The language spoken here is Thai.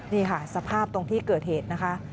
นี่ค่ะสภาพตรงที่เกิดเหตุนะคะ